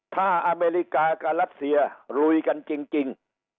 ถ้าอเมริกากับรัสเซียลุยกันจริง